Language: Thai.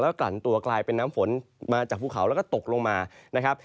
กลั่นตัวกลายเป็นน้ำฝนมาจากภูเขาแล้วก็ตกลงมานะครับ